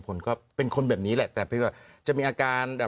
พลิกต๊อกเต็มเสนอหมดเลยพลิกต๊อกเต็มเสนอหมดเลย